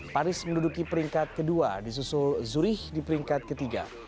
paris menduduki peringkat kedua disusul zurich di peringkat ketiga